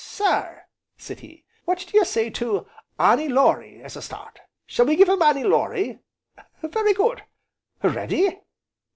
"Sir," said he, "what do you say to 'Annie Laurie' as a start shall we give 'em 'Annie Laurie'? very good! ready?